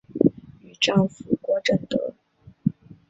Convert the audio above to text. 与丈夫郭政德。